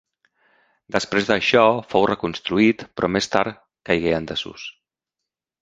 Després d'això fou reconstruït, però més tard caigué en desús.